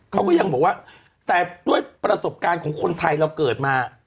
เขาก็ยังบอกว่าแต่ด้วยประสบการณ์ของคนไทยเราเกิดมา